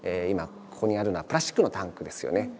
今ここにあるのはプラスチックのタンクですよね。